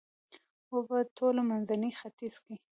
و په ټول منځني ختیځ کې